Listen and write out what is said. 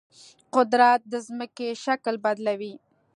قدرت د ځمکې شکل بدلوي.